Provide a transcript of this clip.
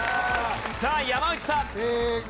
さあ山内さん。